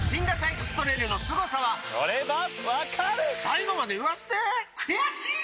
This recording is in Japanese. エクストレイルのすごさは最後まで言わせて悔しい！